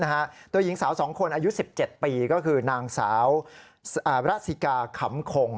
หญิงสาว๒คนอายุ๑๗ปีก็คือนางสาวรัสสิกาขำคง